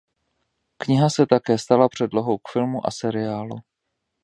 Kniha se také stala předlohou k filmu a seriálu.